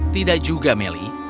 tidak juga melly